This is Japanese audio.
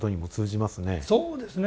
そうですね。